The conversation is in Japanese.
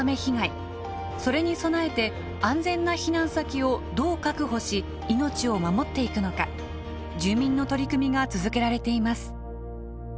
それに備えて安全な避難先をどう確保し命を守っていくのか住民の取り組みが続けられています。